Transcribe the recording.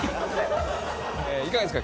いかがですか？